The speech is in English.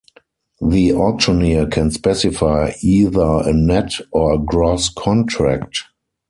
The auctioneer can specify either a net or gross contract.